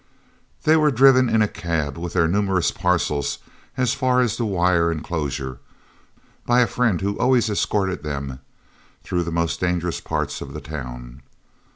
They were driven in a cab, with their numerous parcels, as far as the wire enclosure, by a friend who always escorted them through the most dangerous parts of the town.